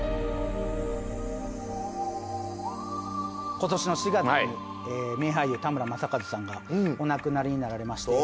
今年の４月に名俳優田村正和さんがお亡くなりになられまして。